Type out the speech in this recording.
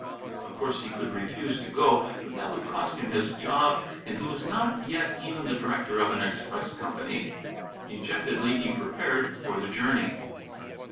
Of course he could refuse to go, but that would cost him his job, and he was not yet even the director of an express company. Dejectedly he prepared for the journey.